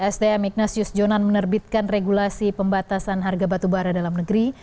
sdm ignatius jonan menerbitkan regulasi pembatasan harga batubara dalam negeri